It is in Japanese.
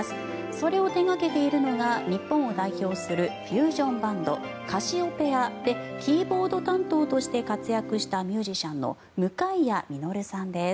それを手掛けているのが日本を代表するフュージョンバンドカシオペアでキーボード担当として活躍したミュージシャンの向谷実さんです。